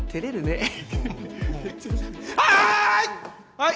はい！！